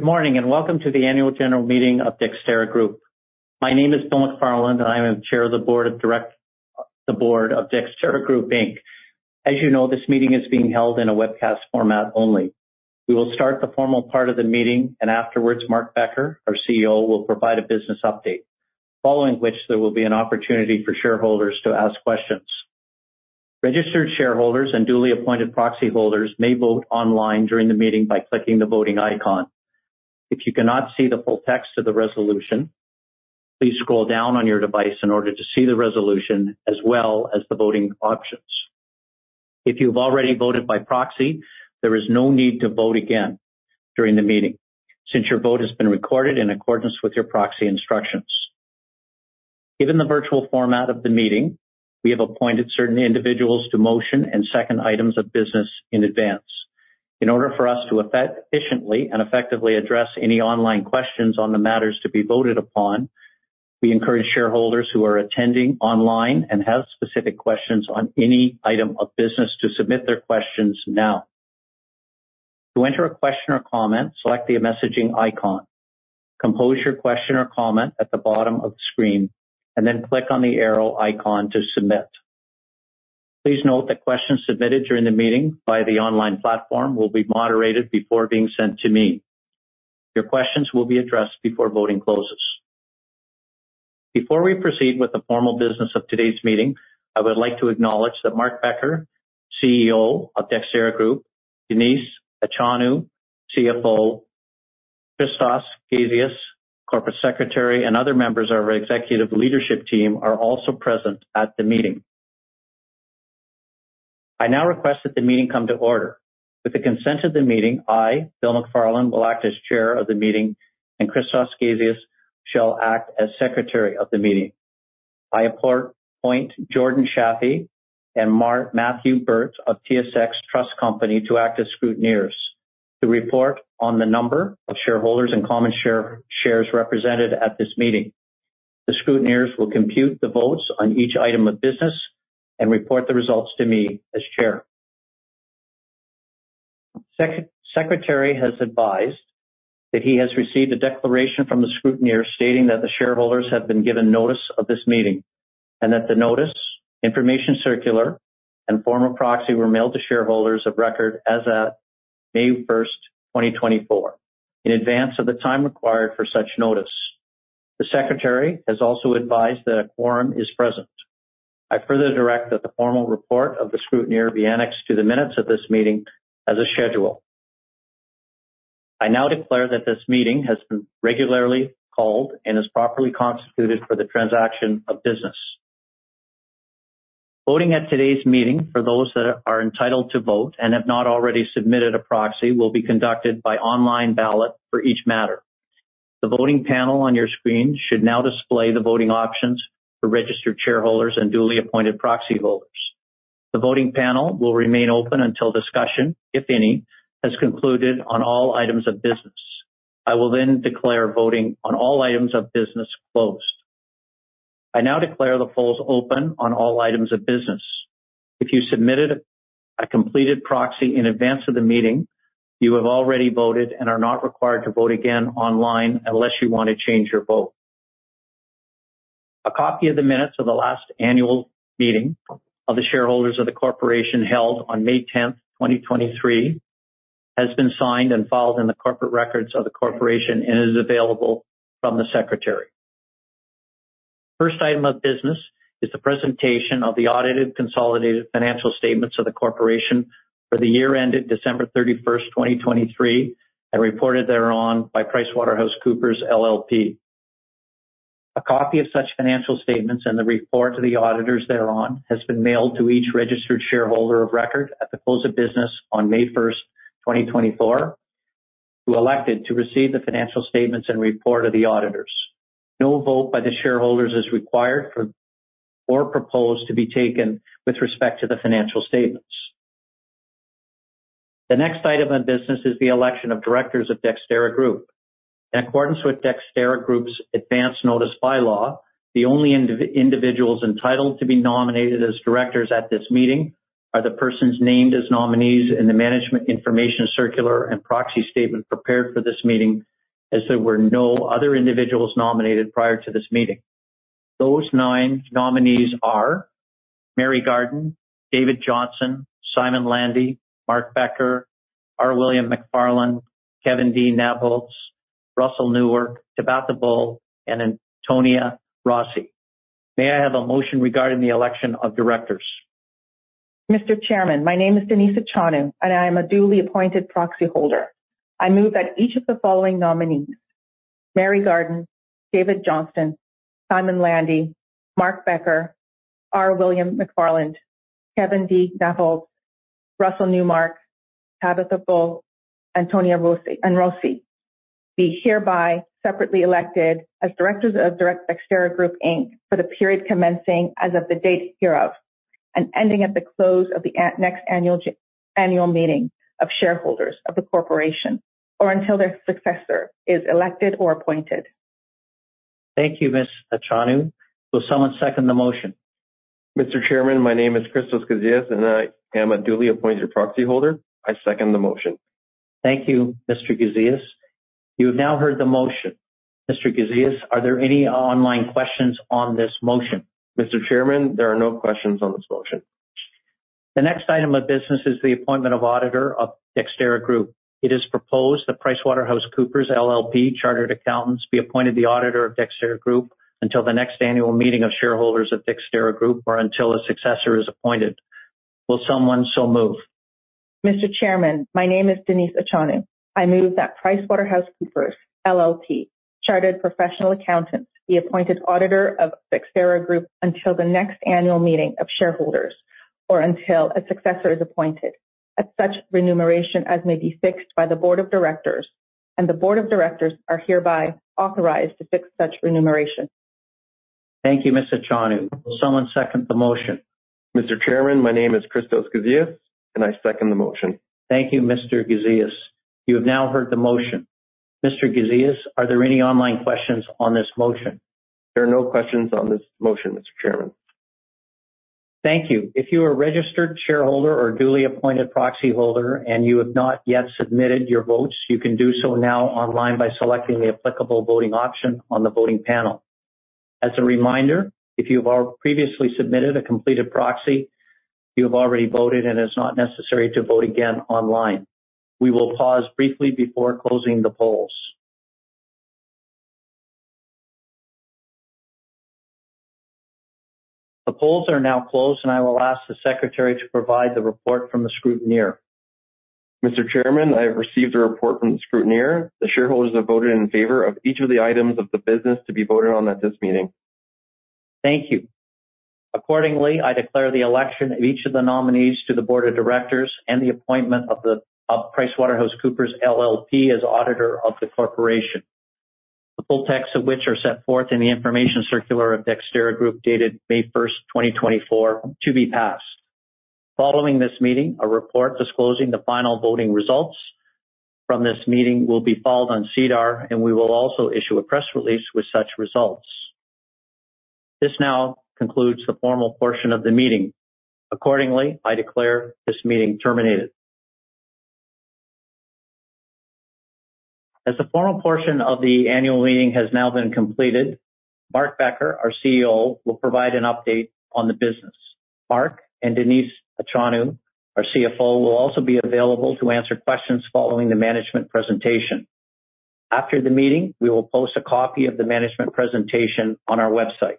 Morning, welcome to the Annual General Meeting of Dexterra Group. My name is Bill McFarland, and I am Chair of the Board of Dexterra Group Inc. As you know, this meeting is being held in a webcast format only. We will start the formal part of the meeting, and afterwards, Mark Becker, our CEO, will provide a business update. Following which, there will be an opportunity for shareholders to ask questions. Registered shareholders and duly appointed proxy holders may vote online during the meeting by clicking the voting icon. If you cannot see the full text of the resolution, please scroll down on your device in order to see the resolution as well as the voting options. If you've already voted by proxy, there is no need to vote again during the meeting, since your vote has been recorded in accordance with your proxy instructions. Given the virtual format of the meeting, we have appointed certain individuals to motion and second items of business in advance. In order for us to efficiently and effectively address any online questions on the matters to be voted upon, we encourage shareholders who are attending online and have specific questions on any item of business to submit their questions now. To enter a question or comment, select the messaging icon. Compose your question or comment at the bottom of the screen, and then click on the arrow icon to submit. Please note that questions submitted during the meeting by the online platform will be moderated before being sent to me. Your questions will be addressed before voting closes. Before we proceed with the formal business of today's meeting, I would like to acknowledge that Mark Becker, CEO of Dexterra Group, Denise Achonu, CFO, Christos Gazeas, Corporate Secretary, and other members of our executive leadership team are also present at the meeting. I now request that the meeting come to order. With the consent of the meeting, I, Bill McFarland, will act as Chair of the meeting, and Christos Gazeas shall act as Secretary of the meeting. I appoint Jordan Shaffie and Matthew Burt of TSX Trust Company to act as scrutineers to report on the number of shareholders and common shares represented at this meeting. The scrutineers will compute the votes on each item of business and report the results to me as chair. Secretary has advised that he has received a declaration from the scrutineers stating that the shareholders have been given notice of this meeting, and that the notice, information circular, and formal proxy were mailed to shareholders of record as at May 1, 2024, in advance of the time required for such notice. The Secretary has also advised that a quorum is present. I further direct that the formal report of the scrutineer be annexed to the minutes of this meeting as a schedule. I now declare that this meeting has been regularly called and is properly constituted for the transaction of business. Voting at today's meeting for those that are entitled to vote and have not already submitted a proxy will be conducted by online ballot for each matter. The voting panel on your screen should now display the voting options for registered shareholders and duly appointed proxy voters. The voting panel will remain open until discussion, if any, has concluded on all items of business. I will then declare voting on all items of business closed. I now declare the polls open on all items of business. If you submitted a completed proxy in advance of the meeting, you have already voted and are not required to vote again online unless you wanna change your vote. A copy of the minutes of the last annual meeting of the shareholders of the corporation held on May 10, 2023 has been signed and filed in the corporate records of the corporation and is available from the secretary. First item of business is the presentation of the audited consolidated financial statements of the corporation for the year ended December 31, 2023 and reported thereon by PricewaterhouseCoopers LLP. A copy of such financial statements and the report to the auditors thereon has been mailed to each registered shareholder of record at the close of business on May 1, 2024, who elected to receive the financial statements and report of the auditors. No vote by the shareholders is required for or proposed to be taken with respect to the financial statements. The next item of business is the election of directors of Dexterra Group. In accordance with Dexterra Group's advanced notice bylaw, the only individuals entitled to be nominated as directors at this meeting are the persons named as nominees in the management information circular and proxy statement prepared for this meeting as there were no other individuals nominated prior to this meeting. Those nine nominees are Mary Garden, David Johnston, Simon Landy, Mark Becker, R. William McFarland, Kevin D. Nabholz, Russell A. Newmark, Tabatha Bull, and Toni Rossi. May I have a motion regarding the election of directors? Mr. Chairman, my name is Denise Achonu, and I am a duly appointed proxy holder. I move that each of the following nominees, Mary Garden, David Johnston, Simon Landy, Mark Becker, R. William McFarland, Kevin D. Nabholz, Russell A. Newmark, Tabatha Bull, and Toni Rossi be hereby separately elected as directors of Dexterra Group Inc. for the period commencing as of the date hereof and ending at the close of the next annual meeting of shareholders of the corporation or until their successor is elected or appointed. Thank you, Ms. Denise Achonu. Will someone second the motion? Mr. Chairman, my name is Christos Gazeas, and I am a duly appointed proxy holder. I second the motion. Thank you, Mr. Christos Gazeas. You have now heard the motion. Mr. Christos Gazeas, are there any online questions on this motion? Mr. Chairman, there are no questions on this motion. The next item of business is the appointment of auditor of Dexterra Group. It is proposed that PricewaterhouseCoopers LLP Chartered Accountants be appointed the auditor of Dexterra Group until the next annual meeting of shareholders of Dexterra Group or until a successor is appointed. Will someone so move? Mr. Chairman, my name is Denise Achonu. I move that PricewaterhouseCoopers LLP Chartered Professional Accountants be appointed auditor of Dexterra Group until the next annual meeting of shareholders or until a successor is appointed at such remuneration as may be fixed by the board of directors. The board of directors are hereby authorized to fix such remuneration. Thank you, Ms. Denise Achonu. Will someone second the motion? Mr. Chairman, my name is Christos Gazeas, and I second the motion. Thank you, Mr. Christos Gazeas. You have now heard the motion. Mr. Christos Gazeas, are there any online questions on this motion? There are no questions on this motion, Mr. Chairman. Thank you. If you are a registered shareholder or duly appointed proxy holder, and you have not yet submitted your votes, you can do so now online by selecting the applicable voting option on the voting panel. As a reminder, if you have previously submitted a completed proxy, you have already voted and it's not necessary to vote again online. We will pause briefly before closing the polls. The polls are now closed, and I will ask the secretary to provide the report from the scrutineer. Mr. Chairman, I have received a report from the scrutineer. The shareholders have voted in favor of each of the items of the business to be voted on at this meeting. Thank you. Accordingly, I declare the election of each of the nominees to the board of directors and the appointment of PricewaterhouseCoopers LLP as auditor of the corporation. The full text of which are set forth in the information circular of Dexterra Group dated May 1, 2024 to be passed. Following this meeting, a report disclosing the final voting results from this meeting will be filed on SEDAR, and we will also issue a press release with such results. This now concludes the formal portion of the meeting. Accordingly, I declare this meeting terminated. As the formal portion of the annual meeting has now been completed, Mark Becker, our CEO, will provide an update on the business. Mark Becker and Denise Achonu, our CFO, will also be available to answer questions following the management presentation. After the meeting, we will post a copy of the management presentation on our website.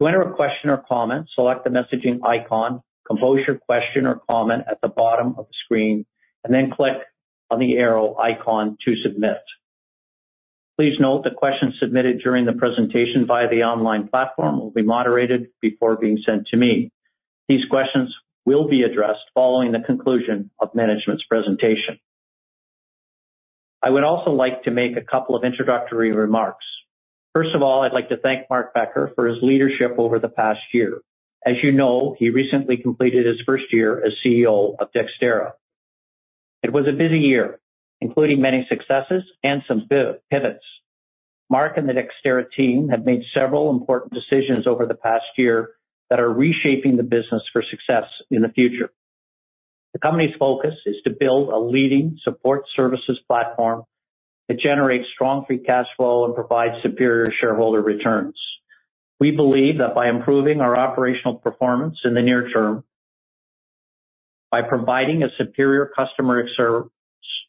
To enter a question or comment, select the messaging icon, compose your question or comment at the bottom of the screen, and then click on the arrow icon to submit. Please note that questions submitted during the presentation via the online platform will be moderated before being sent to me. These questions will be addressed following the conclusion of management's presentation. I would also like to make a couple of introductory remarks. First of all, I'd like to thank Mark Becker for his leadership over the past year. As you know, he recently completed his first year as CEO of Dexterra. It was a busy year, including many successes and some pivots. Mark Becker and the Dexterra team have made several important decisions over the past year that are reshaping the business for success in the future. The company's focus is to build a leading support services platform that generates strong free cash flow and provides superior shareholder returns. We believe that by improving our operational performance in the near term, by providing a superior customer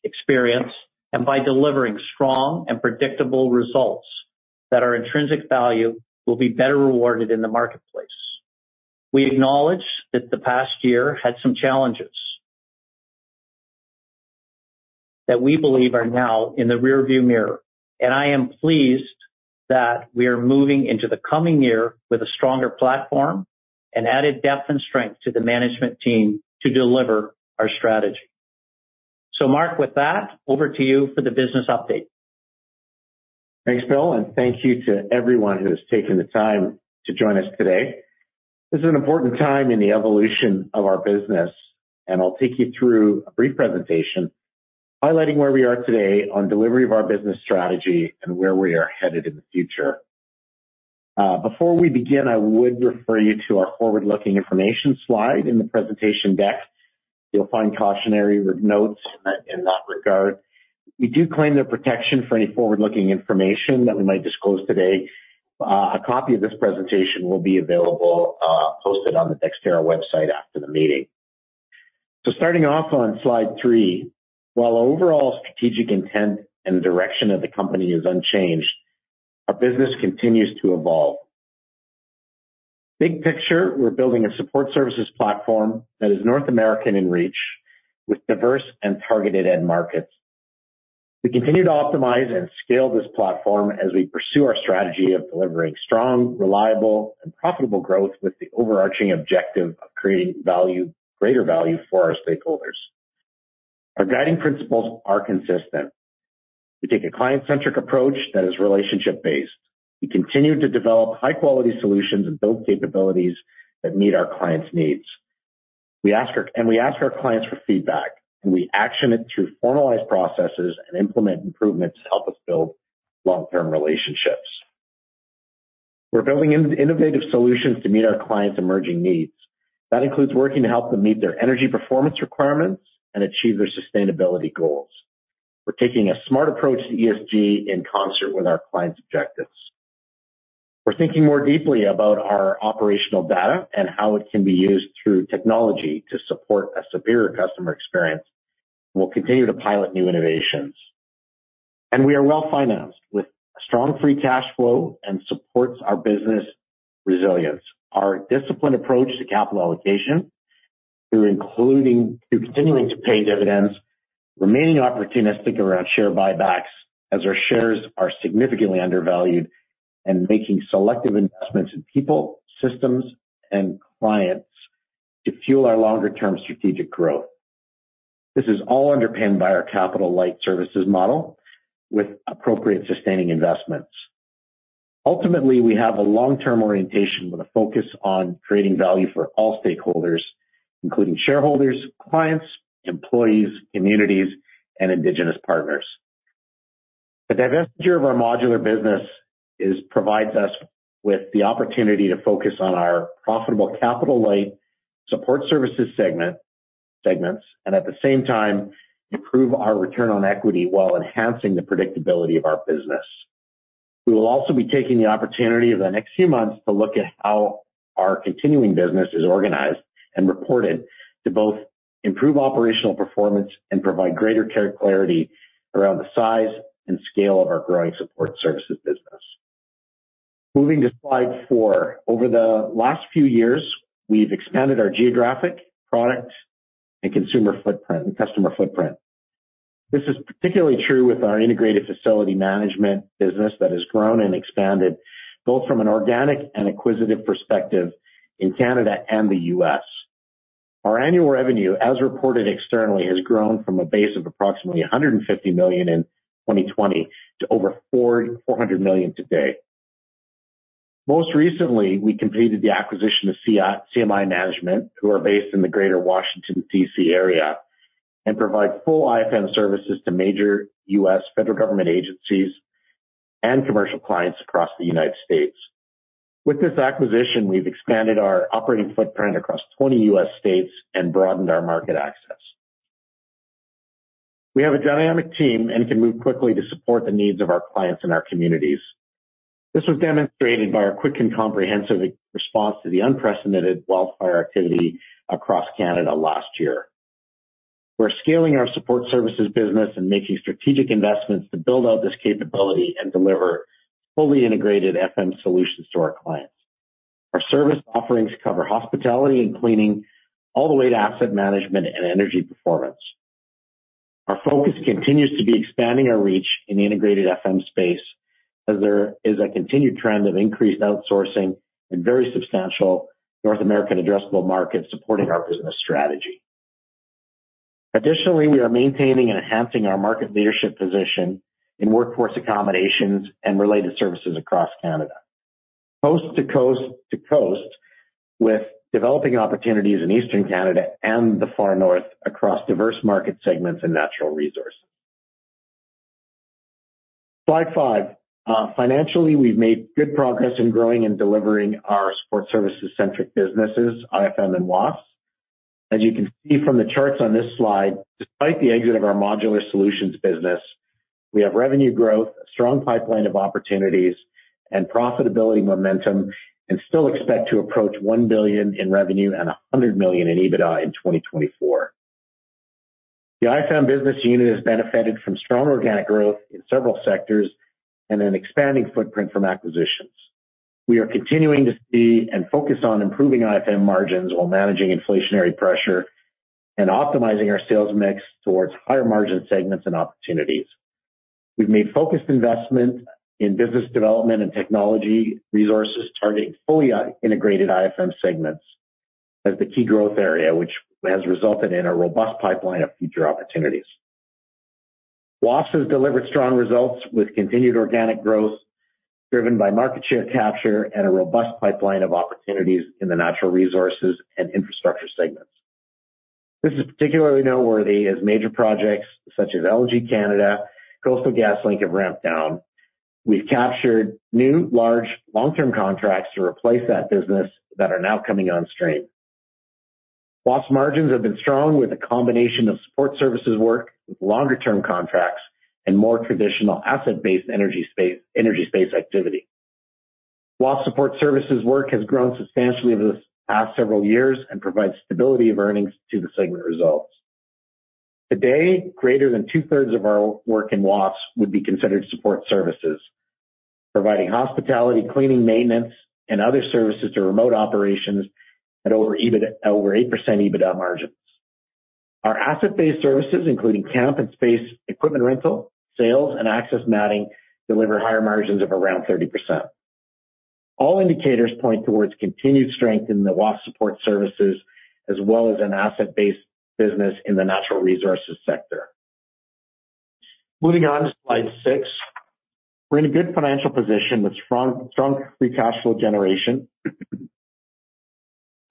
experience, and by delivering strong and predictable results, that our intrinsic value will be better rewarded in the marketplace. We acknowledge that the past year had some challenges that we believe are now in the rearview mirror, and I am pleased that we are moving into the coming year with a stronger platform and added depth and strength to the management team to deliver our strategy. Mark Becker, with that, over to you for the business update. Thanks, Bill, and thank you to everyone who has taken the time to join us today. This is an important time in the evolution of our business, and I'll take you through a brief presentation highlighting where we are today on delivery of our business strategy and where we are headed in the future. Before we begin, I would refer you to our forward-looking information slide in the presentation deck. You'll find cautionary notes in that regard. We do claim the protection for any forward-looking information that we might disclose today. A copy of this presentation will be available, posted on the Dexterra website after the meeting. Starting off on slide three, while overall strategic intent and direction of the company is unchanged, our business continues to evolve. Big picture, we're building a support services platform that is North American in reach with diverse and targeted end markets. We continue to optimize and scale this platform as we pursue our strategy of delivering strong, reliable, and profitable growth with the overarching objective of creating value, greater value for our stakeholders. Our guiding principles are consistent. We take a client-centric approach that is relationship-based. We continue to develop high-quality solutions and build capabilities that meet our clients' needs. We ask our clients for feedback, and we act on it through formalized processes and implement improvements to help us build long-term relationships. We're building in innovative solutions to meet our clients' emerging needs. That includes working to help them meet their energy performance requirements and achieve their sustainability goals. We're taking a smart approach to ESG in concert with our clients' objectives. We're thinking more deeply about our operational data and how it can be used through technology to support a superior customer experience. We'll continue to pilot new innovations. We are well-financed with strong free cash flow and supports our business resilience. Our disciplined approach to capital allocation through continuing to pay dividends, remaining opportunistic around share buybacks as our shares are significantly undervalued, and making selective investments in people, systems, and clients to fuel our longer-term strategic growth. This is all underpinned by our capital light services model with appropriate sustaining investments. Ultimately, we have a long-term orientation with a focus on creating value for all stakeholders, including shareholders, clients, employees, communities, and indigenous partners. The divestiture of our modular business provides us with the opportunity to focus on our profitable capital light support services segment, and at the same time, improve our return on equity while enhancing the predictability of our business. We will also be taking the opportunity over the next few months to look at how our continuing business is organized and reported to both improve operational performance and provide greater clarity around the size and scale of our growing support services business. Moving to slide four. Over the last few years, we've expanded our geographic, product, and customer footprint. This is particularly true with our Integrated Facility Management business that has grown and expanded both from an organic and acquisitive perspective in Canada and the U.S. Our annual revenue, as reported externally, has grown from a base of approximately 150 million in 2020 to over 400 million today. Most recently, we completed the acquisition of CMI Management, who are based in the Greater Washington, D.C. area and provide full IFM services to major U.S. federal government agencies and commercial clients across the United States. With this acquisition, we've expanded our operating footprint across 20 U.S. states and broadened our market access. We have a dynamic team and can move quickly to support the needs of our clients and our communities. This was demonstrated by our quick and comprehensive response to the unprecedented wildfire activity across Canada last year. We're scaling our support services business and making strategic investments to build out this capability and deliver fully integrated FM solutions to our clients. Our service offerings cover hospitality and cleaning, all the way to asset management and energy performance. Our focus continues to be expanding our reach in the integrated FM space as there is a continued trend of increased outsourcing and very substantial North American addressable market supporting our business strategy. Additionally, we are maintaining and enhancing our market leadership position in workforce accommodations and related services across Canada. Coast to coast to coast with developing opportunities in Eastern Canada and the far north across diverse market segments and natural resources. Slide five. Financially, we've made good progress in growing and delivering our support services-centric businesses, IFM and WAFES. As you can see from the charts on this slide, despite the exit of our modular solutions business, we have revenue growth, a strong pipeline of opportunities, and profitability momentum, and still expect to approach 1 billion in revenue and 100 million in EBITDA in 2024. The IFM business unit has benefited from strong organic growth in several sectors and an expanding footprint from acquisitions. We are continuing to see and focus on improving IFM margins while managing inflationary pressure and optimizing our sales mix towards higher-margin segments and opportunities. We've made focused investments in business development and technology resources targeting fully integrated IFM segments as the key growth area, which has resulted in a robust pipeline of future opportunities. WAFES has delivered strong results with continued organic growth, driven by market share capture and a robust pipeline of opportunities in the natural resources and infrastructure segments. This is particularly noteworthy as major projects such as LNG Canada, Coastal GasLink have ramped down. We've captured new, large, long-term contracts to replace that business that are now coming on stream. WAFES margins have been strong with a combination of support services work with longer-term contracts and more traditional asset-based energy space activity. WAFES support services work has grown substantially over the past several years and provides stability of earnings to the segment results. Today, greater than 2/3 of our work in WAFES would be considered support services, providing hospitality, cleaning, maintenance, and other services to remote operations at over 8% EBITDA margins. Our asset-based services, including camp and space equipment rental, sales, and access matting, deliver higher margins of around 30%. All indicators point towards continued strength in the WAFES support services as well as Asset Based business in the natural resources sector. Moving on to slide six. We're in a good financial position with strong free cash flow generation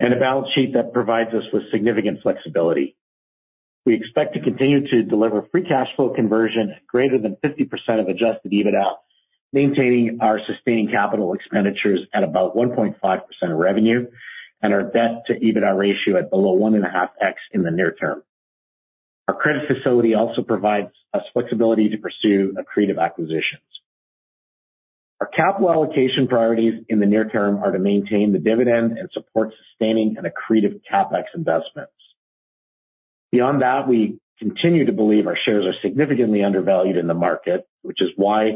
and a balance sheet that provides us with significant flexibility. We expect to continue to deliver free cash flow conversion greater than 50% of Adjusted EBITDA, maintaining our sustaining capital expenditures at about 1.5% of revenue and our debt to EBITDA ratio at below 1.5x in the near term. Our credit facility also provides us flexibility to pursue accretive acquisitions. Our capital allocation priorities in the near term are to maintain the dividend and support sustaining and accretive CapEx investments. Beyond that, we continue to believe our shares are significantly undervalued in the market, which is why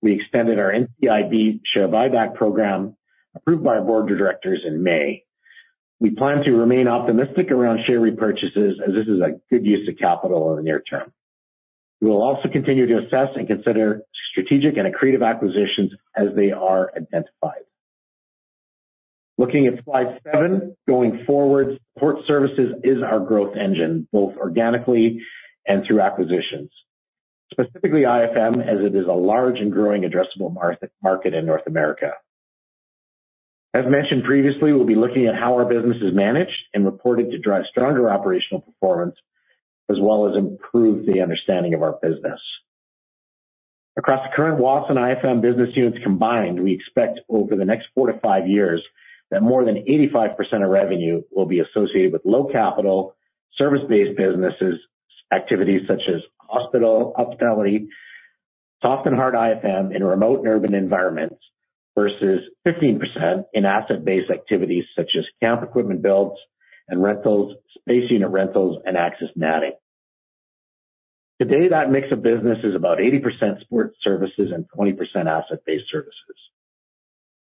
we extended our NCIB share buyback program approved by our board of directors in May. We plan to remain optimistic around share repurchases as this is a good use of capital in the near term. We will also continue to assess and consider strategic and accretive acquisitions as they are identified. Looking at slide seven. Going forward, support services is our growth engine, both organically and through acquisitions. Specifically IFM, as it is a large and growing addressable market in North America. As mentioned previously, we'll be looking at how our business is managed and reported to drive stronger operational performance as well as improve the understanding of our business. Across the current WAFES and IFM business units combined, we expect over the next four to five years that more than 85% of revenue will be associated with low capital, service-based businesses activities such as hospital, hospitality, soft and hard IFM in remote and urban environments, versus 15% in asset-based activities such as camp equipment builds and rentals, space unit rentals, and access matting. Today, that mix of business is about 80% support services and 20% asset-based services.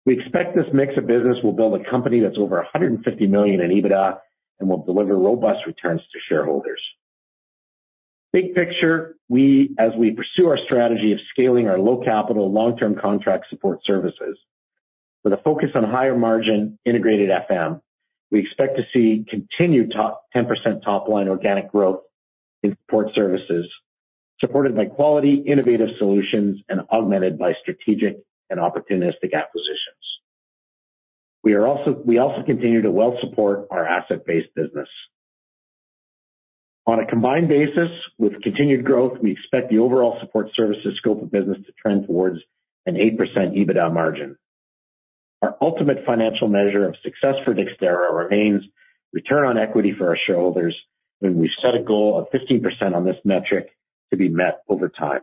We expect this mix of business will build a company that's over 150 million in EBITDA and will deliver robust returns to shareholders. Big picture, as we pursue our strategy of scaling our low capital long-term contract support services with a focus on higher margin integrated FM, we expect to see continued 10% top-line organic growth in support services, supported by quality, innovative solutions and augmented by strategic and opportunistic acquisitions. We also continue to well support our asset-based business. On a combined basis with continued growth, we expect the overall support services scope of business to trend towards an 8% EBITDA margin. Our ultimate financial measure of success for Dexterra remains return on equity for our shareholders, and we've set a goal of 15% on this metric to be met over time.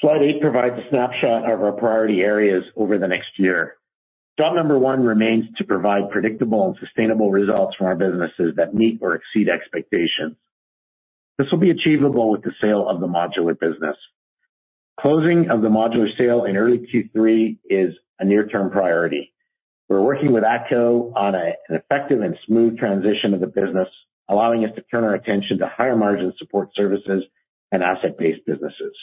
Slide eight provides a snapshot of our priority areas over the next year. Job number one remains to provide predictable and sustainable results for our businesses that meet or exceed expectations. This will be achievable with the sale of the modular business. Closing of the modular sale in early Q3 is a near-term priority. We're working with ATCO on an effective and smooth transition of the business, allowing us to turn our attention to higher margin support services and asset-based businesses.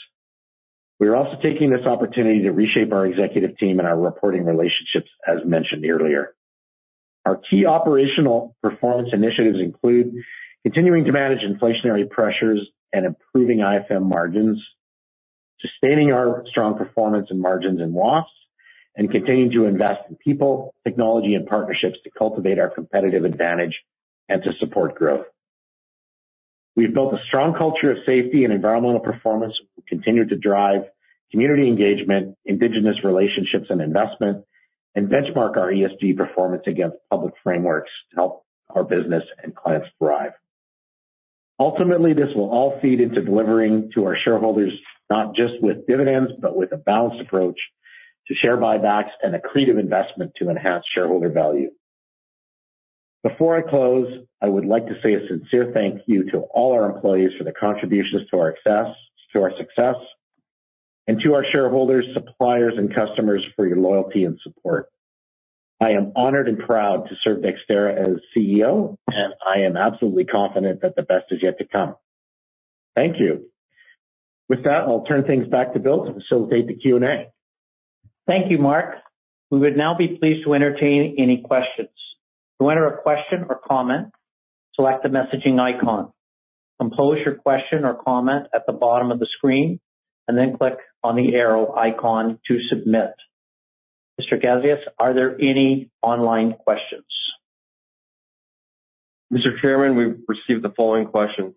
We are also taking this opportunity to reshape our executive team and our reporting relationships, as mentioned earlier. Our key operational performance initiatives include continuing to manage inflationary pressures and improving IFM margins, sustaining our strong performance in margins and WAFES, and continuing to invest in people, technology and partnerships to cultivate our competitive advantage and to support growth. We've built a strong culture of safety and environmental performance. We'll continue to drive community engagement, Indigenous relationships and investment, and benchmark our ESG performance against public frameworks to help our business and clients thrive. Ultimately, this will all feed into delivering to our shareholders, not just with dividends, but with a balanced approach to share buybacks and accretive investment to enhance shareholder value. Before I close, I would like to say a sincere thank you to all our employees for the contributions to our success, and to our shareholders, suppliers and customers for your loyalty and support. I am honored and proud to serve Dexterra as CEO, and I am absolutely confident that the best is yet to come. Thank you. With that, I'll turn things back to Bill to facilitate the Q&A. Thank you, Mark. We would now be pleased to entertain any questions. To enter a question or comment, select the messaging icon. Compose your question or comment at the bottom of the screen, and then click on the arrow icon to submit. Mr. Christos Gazeas, are there any online questions? Mr. Chairman, we've received the following question: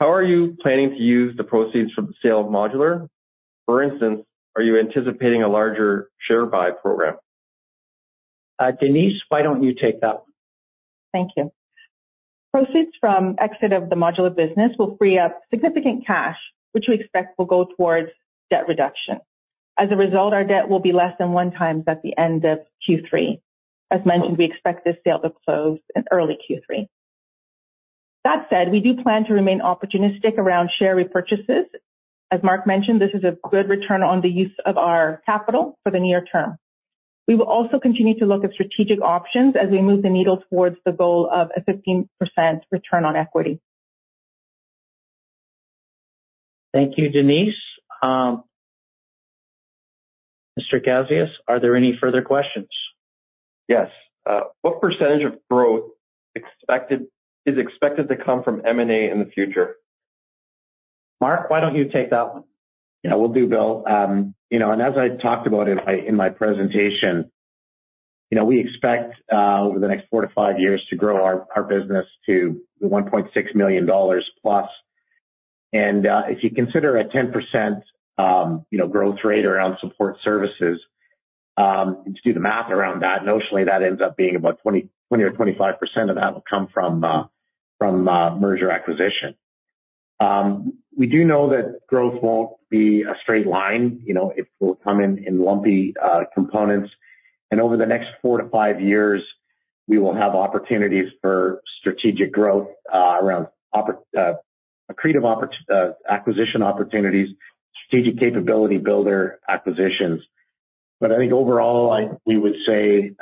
"How are you planning to use the proceeds from the sale of modular? For instance, are you anticipating a larger share buy program? Denise Achonu, why don't you take that one? Thank you. Proceeds from exit of the modular business will free up significant cash, which we expect will go towards debt reduction. As a result, our debt will be less than one times at the end of Q3. As mentioned, we expect this sale to close in early Q3. That said, we do plan to remain opportunistic around share repurchases. As Mark Becker mentioned, this is a good return on the use of our capital for the near term. We will also continue to look at strategic options as we move the needle towards the goal of a 15% return on equity. Thank you, Denise Achonu. Mr. Christos Gazeas, are there any further questions? Yes. What percentage of growth is expected to come from M&A in the future? Mark Becker, why don't you take that one? Yeah, will do, Bill. You know, as I talked about in my presentation, you know, we expect over the next four to five years to grow our business to 1.6 million dollars plus. If you consider a 10% growth rate around support services, if you do the math around that, notionally that ends up being about 20% or 25% of that will come from M&A. We do know that growth won't be a straight line, you know, it will come in lumpy components. Over the next four to five years, we will have opportunities for strategic growth around accretive acquisition opportunities, strategic capability builder acquisitions. I think overall, we would say, you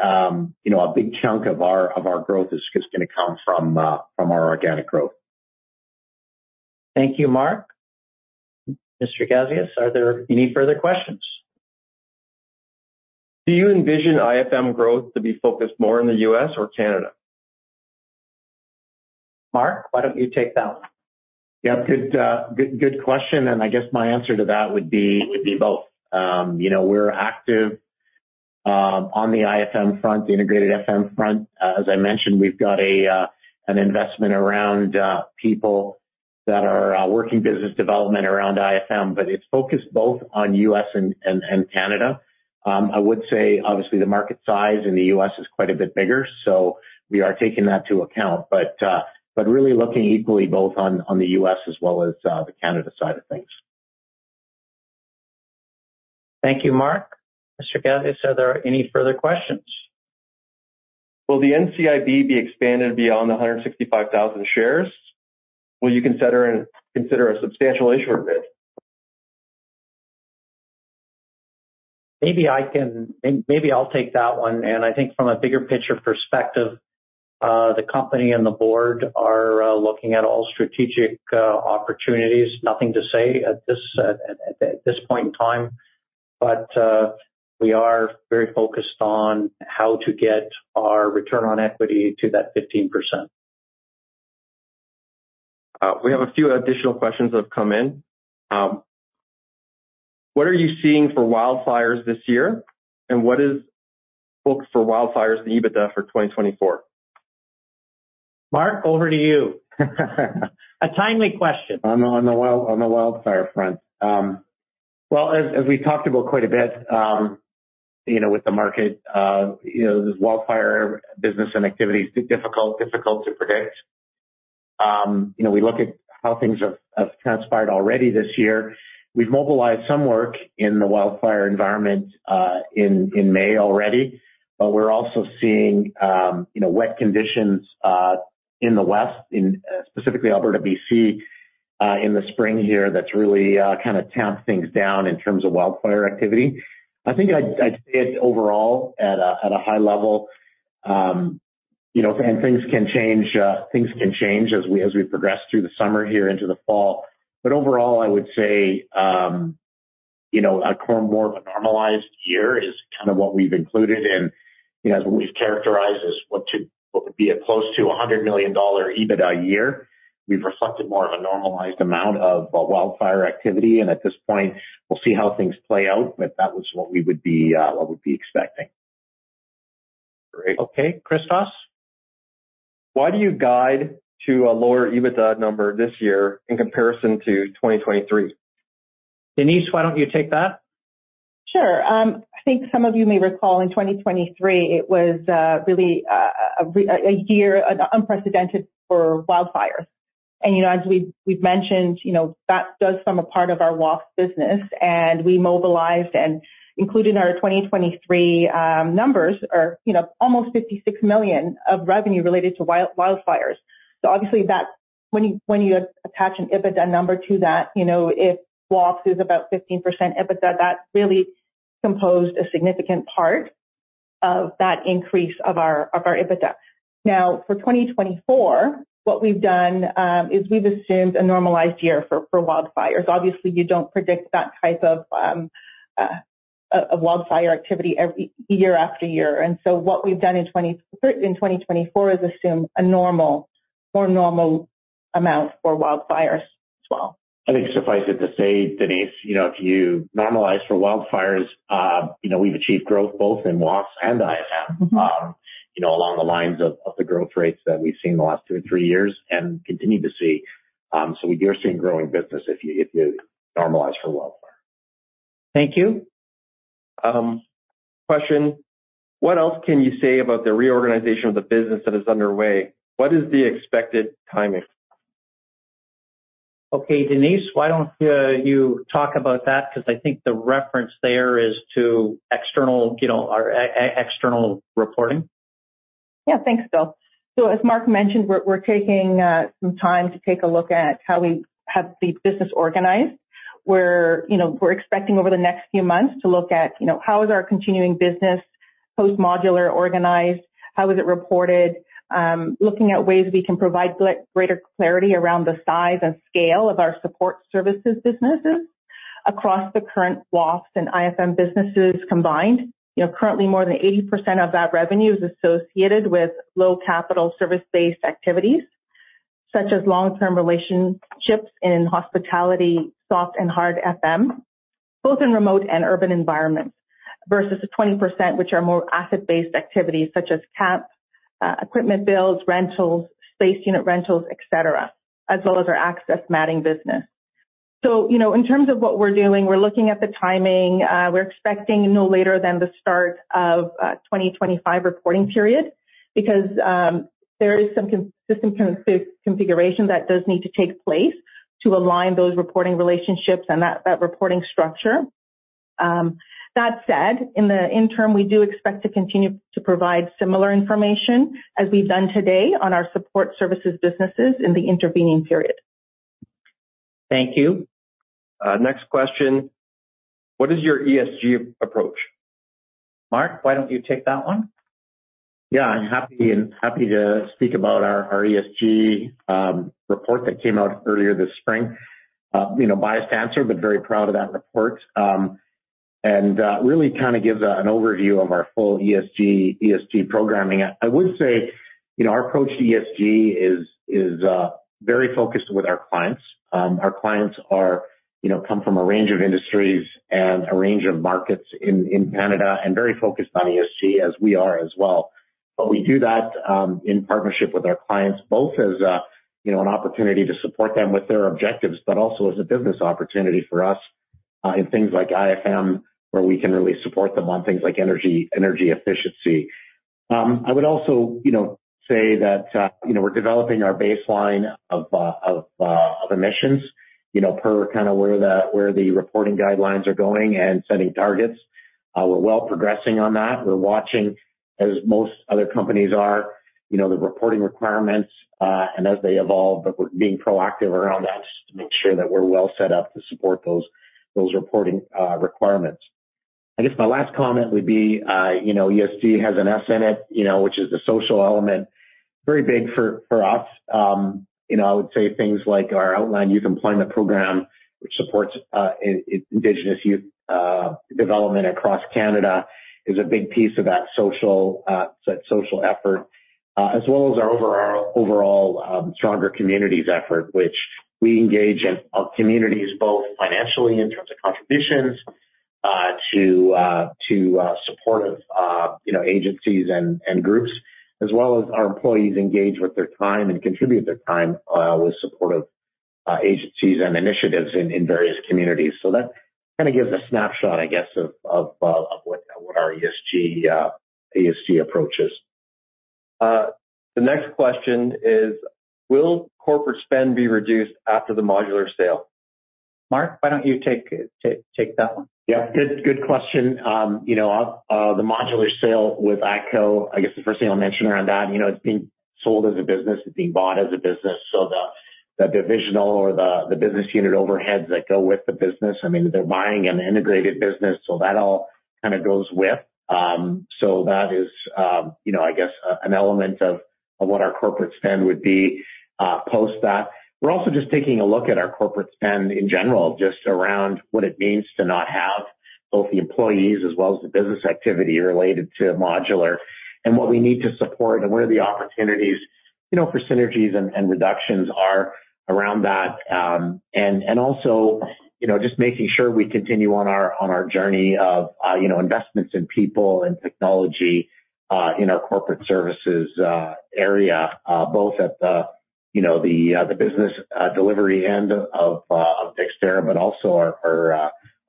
know, a big chunk of our growth is just gonna come from our organic growth. Thank you, Mark Becker. Mr. Christos Gazeas, are there any further questions? Do you envision IFM growth to be focused more in the U.S. or Canada? Mark Becker, why don't you take that one? Yeah. Good question. I guess my answer to that would be both. You know, we're active on the IFM front, the integrated FM front. As I mentioned, we've got an investment around people that are working business development around IFM, but it's focused both on U.S. and Canada. I would say obviously the market size in the U.S. is quite a bit bigger, so we are taking that to account. But really looking equally both on the U.S. as well as the Canada side of things. Thank you, Mark Becker. Mr. Christos Gazeas, are there any further questions? Will the NCIB be expanded beyond the 165,000 shares? Will you consider a substantial issuer bid? May be I'll take that one. I think from a bigger picture perspective, the company and the board are looking at all strategic opportunities. Nothing to say at this point in time, but we are very focused on how to get our return on equity to that 15%. We have a few additional questions that have come in. What are you seeing for wildfires this year, and what is booked for wildfires in EBITDA for 2024? Mark Becker, over to you. A timely question. On the wildfire front. Well, as we talked about quite a bit, you know, with the market, you know, this wildfire business and activity is difficult to predict. You know, we look at how things have transpired already this year. We've mobilized some work in the wildfire environment in May already, but we're also seeing, you know, wet conditions in the west, specifically Alberta, BC, in the spring here that's really kinda tamped things down in terms of wildfire activity. I think I'd say it's overall at a high level, you know, and things can change as we progress through the summer here into the fall. Overall, I would say, you know, a more of a normalized year is kind of what we've included in, you know, what we've characterized as what would be close to a 100 million dollar EBITDA year. We've reflected more of a normalized amount of wildfire activity and at this point we'll see how things play out, but that was what we'd be expecting. Great. Okay. Christos Gazeas. Why do you guide to a lower EBITDA number this year in comparison to 2023? Denise Achonu, why don't you take that? Sure. I think some of you may recall in 2023 it was really a year unprecedented for wildfires. You know, as we've mentioned, you know, that does form a part of our WAFES business, and we mobilized and included our 2023 numbers, you know, almost 56 million of revenue related to wildfires. Obviously that's when you attach an EBITDA number to that, you know, if WAFES is about 15% EBITDA, that really composed a significant part of that increase of our EBITDA. Now, for 2024, what we've done is we've assumed a normalized year for wildfires. Obviously, you don't predict that type of wildfire activity every year after year. So what we've done in 2024 is assume a normal, more normal amount for wildfires as well. I think suffice it to say, Denise Achonu, you know, if you normalize for wildfires, you know, we've achieved growth both in WAFES and IFM. You know, along the lines of the growth rates that we've seen the last two or three years and continue to see. We are seeing growing business if you normalize for wildfire. Thank you. Question: What else can you say about the reorganization of the business that is underway? What is the expected timing? Okay. Denise Achonu, why don't you talk about that? Because I think the reference there is to external, you know, our external reporting. Yeah. Thanks, Bill. As Mark Becker mentioned, we're taking some time to take a look at how we have the business organized. We're expecting over the next few months to look at, you know, how is our continuing business. Post-modular organization, how is it reported? Looking at ways we can provide greater clarity around the size and scale of our support services businesses across the current WAFES and IFM businesses combined. Currently more than 80% of that revenue is associated with low capital service-based activities, such as long-term relationships in hospitality, soft and hard FM, both in remote and urban environments, versus the 20% which are more asset-based activities such as camp equipment builds, rentals, space unit rentals, et cetera, as well as our access matting business. In terms of what we're dealing, we're looking at the timing. We're expecting no later than the start of 2025 reporting period because there is some system configuration that does need to take place to align those reporting relationships and that reporting structure. That said, in the interim, we do expect to continue to provide similar information as we've done today on our support services businesses in the intervening period. Thank you. Next question. What is your ESG approach? Mark Becker, why don't you take that one? Yeah, I'm happy to speak about our ESG report that came out earlier this spring. You know, biased answer, but very proud of that report. Really kind of gives an overview of our full ESG programming. I would say, you know, our approach to ESG is very focused with our clients. Our clients, you know, come from a range of industries and a range of markets in Canada and very focused on ESG as we are as well. We do that in partnership with our clients, both as, you know, an opportunity to support them with their objectives, but also as a business opportunity for us in things like IFM, where we can really support them on things like energy efficiency. I would also, you know, say that, you know, we're developing our baseline of emissions, you know, per kind of where the reporting guidelines are going and setting targets. We're well progressing on that. We're watching as most other companies are, you know, the reporting requirements and as they evolve, but we're being proactive around that to make sure that we're well set up to support those reporting requirements. I guess my last comment would be, you know, ESG has an S in it, you know, which is the social element. Very big for us. You know, I would say things like our Outland Youth Employment Program, which supports Indigenous youth development across Canada, is a big piece of that social effort, as well as our overall stronger communities effort, which we engage in our communities both financially in terms of contributions to support of, you know, agencies and groups, as well as our employees engage with their time and contribute their time with support of agencies and initiatives in various communities. That kind of gives a snapshot, I guess, of what our ESG approach is. The next question is, will corporate spend be reduced after the modular sale? Mark Becker, why don't you take that one? Yeah. Good question. You know, the modular sale with ATCO, I guess the first thing I'll mention around that, you know, it's being sold as a business, it's being bought as a business. So the divisional or the business unit overheads that go with the business, I mean, they're buying an integrated business, so that all kind of goes with. So that is, you know, I guess an element of what our corporate spend would be, post that. We're also just taking a look at our corporate spend in general, just around what it means to not have both the employees as well as the business activity related to modular and what we need to support and where the opportunities, you know, for synergies and reductions are around that. You know, just making sure we continue on our journey of, you know, investments in people and technology in our corporate services area both at the, you know, the business delivery end of Dexterra, but also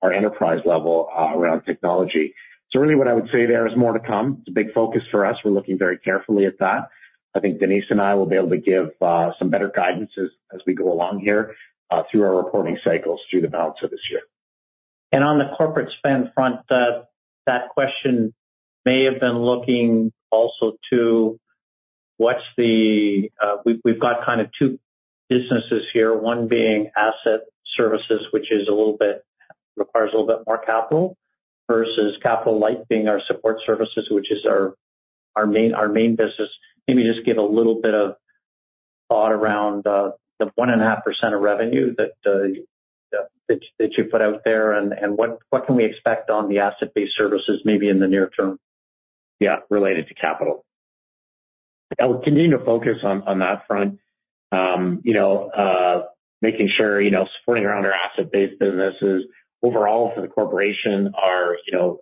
our enterprise level around technology. Really what I would say there is more to come. It's a big focus for us. We're looking very carefully at that. I think Denise Achonu and I will be able to give some better guidance as we go along here through our reporting cycles through the balance of this year. On the corporate spend front, that question may have been looking also to what's the, we've got kind of two businesses here, one being Asset Based Services, which requires a little bit more capital versus capital light being our support services, which is our main business. Maybe just give a little bit of thought around the 1.5% of revenue that you put out there and what can we expect on the asset-based services maybe in the near term. Yeah... related to capital? I would continue to focus on that front. You know, making sure you know, supporting our Asset-Based Services overall for the corporation, our capital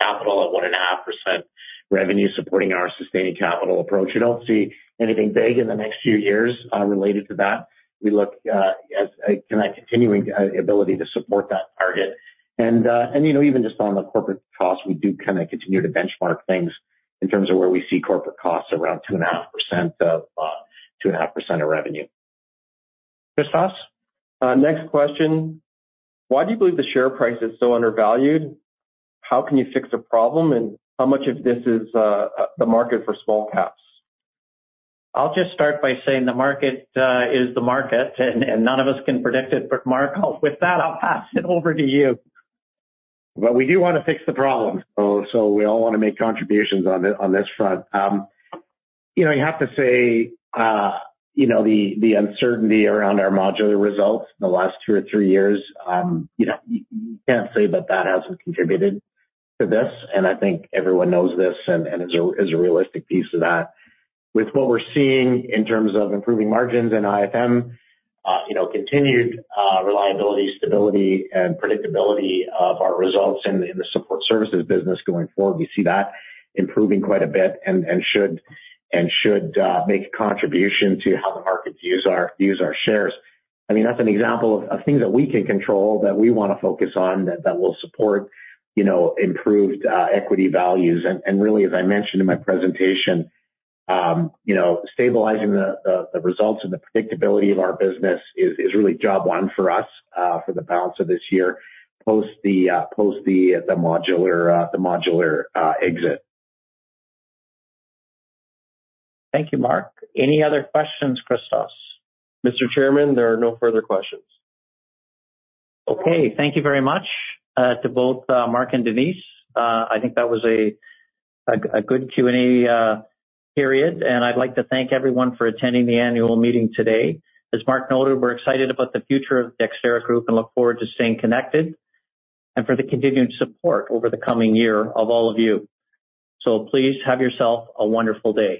at 1.5% of revenue supporting our sustained capital approach. You don't see anything big in the next few years related to that. We look as a kind of continuing ability to support that target. You know, even just on the corporate costs, we do kind of continue to benchmark things in terms of where we see corporate costs around 2.5% of revenue. Christos Gazeas? Next question. Why do you believe the share price is so undervalued? How can you fix the problem, and how much of this is the market for small caps? I'll just start by saying the market is the market and none of us can predict it. Mark Becker, with that, I'll pass it over to you. We do wanna fix the problem. We all wanna make contributions on this front. You know, you have to say, you know, the uncertainty around our modular results in the last two or three years, you know, you can't say that hasn't contributed to this. I think everyone knows this and is a realistic piece of that. With what we're seeing in terms of improving margins in IFM, you know, continued reliability, stability and predictability of our results in the support services business going forward, we see that improving quite a bit and should make a contribution to how the markets views our shares. I mean, that's an example of things that we can control, that we wanna focus on that will support, you know, improved equity values. Really, as I mentioned in my presentation, you know, stabilizing the results and the predictability of our business is really job one for us for the balance of this year, post the modular exit. Thank you, Mark Becker. Any other questions, Christos Gazeas? Mr. Chairman, there are no further questions. Okay. Thank you very much to both Mark Becker and Denise Achonu. I think that was a good Q&A period, and I'd like to thank everyone for attending the annual meeting today. As Mark noted, we're excited about the future of Dexterra Group and look forward to staying connected and for the continued support over the coming year of all of you. Please have yourself a wonderful day.